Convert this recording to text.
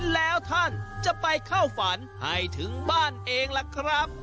แล้วท่านจะไปเข้าฝันให้ถึงบ้านเองล่ะครับ